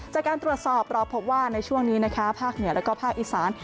จากการตรวจสอบเราพบว่าในช่วงนี้นะคะภาคเหนือแล้วก็ภาคอีสาน